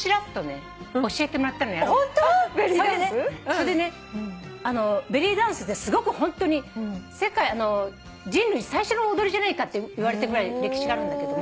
それでねベリーダンスですごくホントに人類最初の踊りじゃないかっていわれてるぐらい歴史がある。